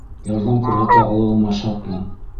Ярҙам күрһәтә алыуыма шатмын